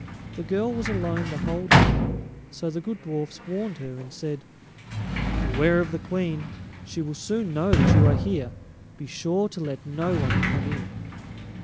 The girl was alone the whole day, so the good dwarfs warned her and said: "Beware of the Queen; she will soon know that you are here; be sure to let no one come in."